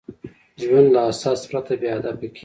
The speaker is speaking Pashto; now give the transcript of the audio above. ژوند له اساس پرته بېهدفه کېږي.